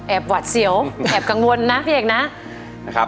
แอบหวาดเสียวแอบกังวลนะพี่เอกนะ